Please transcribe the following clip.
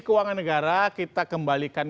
keuangan negara kita kembalikan